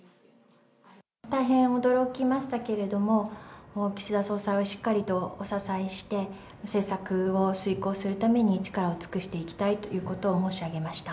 大変驚きましたけれども、岸田総裁をしっかりとお支えして、政策を遂行するために力を尽くしていきたいということを申し上げました。